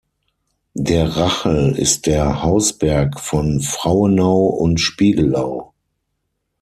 Der Rachel ist der Hausberg von Frauenau und Spiegelau.